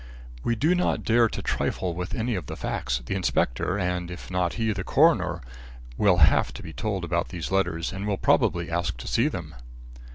We do not dare to trifle with any of the facts. The inspector, and, if not he, the coroner, will have to be told about these letters and will probably ask to see them."